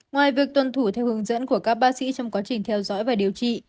ngoài việc tuân thủ theo hướng dẫn của các bác sĩ trong quá trình theo dõi và điều trị